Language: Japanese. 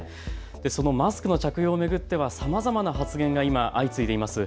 そのマスクの着用を巡ってはさまざまな発言が今、相次いでいます。